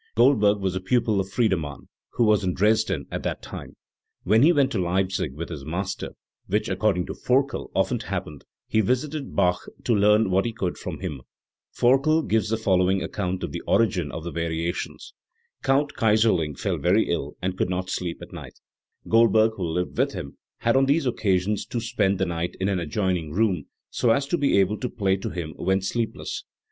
Goldberg was a pupil of Friedemann, who was in Dresden at that time. When he went to Leipzig with his master, which, * Forkel, p. 50. See p. 183. The Publication of the Klavievtibung. 323 according to Forkel, often happened, he visited Bach to learn what he could from him. Forkel gives the following account of the origin of the variations: "Count Kayserling fell very ill and could not sleep at night, Goldberg, who lived with him, had on these occasions to spend the night in an adjoining room, so as to be able to play to him when sleepless.